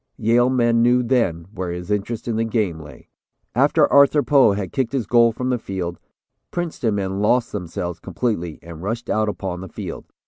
Yale men knew then where his interest in the game lay." After Arthur Poe had kicked his goal from the field, Princeton men lost themselves completely and rushed out upon the field.